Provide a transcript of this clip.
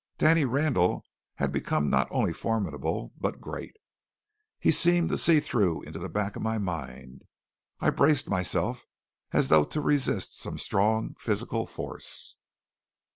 Danny Randall had become not only formidable, but great. He seemed to see through into the back of my mind. I braced myself as though to resist some strong physical force.